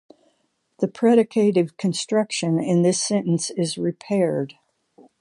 The predicative construction in this sentence is "repaired".